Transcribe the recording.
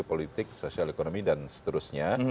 politik sosial ekonomi dan seterusnya